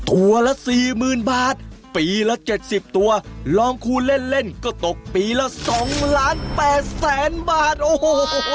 ตัวละสี่หมื่นบาทปีละเจ็ดสิบตัวล้องครูเล่นก็ตกปีละสองล้านแปดแสนบาทโอ้โห